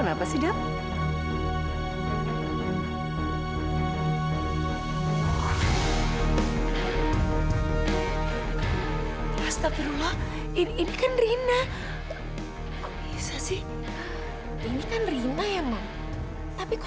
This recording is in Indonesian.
sampai jumpa di video selanjutnya